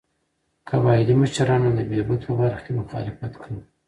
قبایلي مشرانو د بهبود په برخه کې مخالفت کاوه.